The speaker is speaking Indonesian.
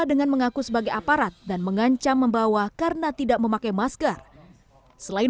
dengan mengaku sebagai aparat dan mengancam membawa karena tidak memakai masker selain